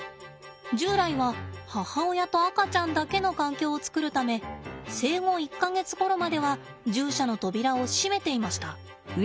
従来は母親と赤ちゃんだけの環境を作るため生後１か月ごろまでは獣舎の扉を閉めていました。